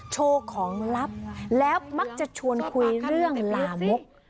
โชว์ของลับแล้วมักจะชวนคุยเรื่องลามก